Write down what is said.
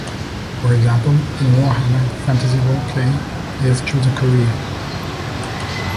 For example, in "Warhammer Fantasy Roleplay", players choose a career.